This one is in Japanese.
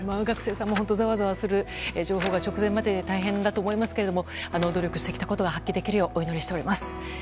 学生さんもざわざわする情報が直前まで大変だと思いますけど努力してきたことが発揮できるようお祈りしています。